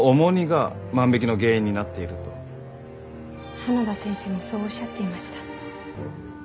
花田先生もそうおっしゃっていました。